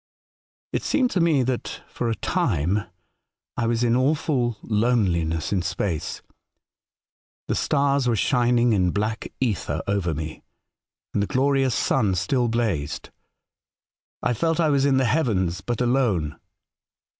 '' It seemed to me that, for a time, I was in •awful loneliness in space. The stars were shining in black ether over me, and the glorious sun still blazed. I felt I was in the heavens, but alone.